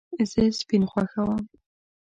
زه سپین خوښوم